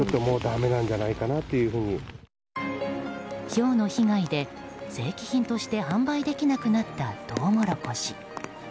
ひょうの被害で正規品として販売できなくなったトウモロコシ。